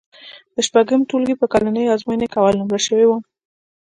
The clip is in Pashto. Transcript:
د شپږم ټولګي په کلنۍ ازموینه کې اول نومره شوی وم.